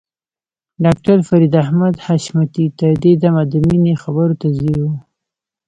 ډاکټر فريد احمد حشمتي تر دې دمه د مينې خبرو ته ځير و.